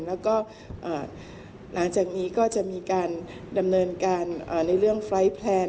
แล้วก็หลังจากนี้ก็จะมีการดำเนินการในเรื่องไฟล์แพลน